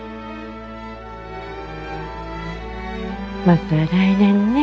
また来年ね。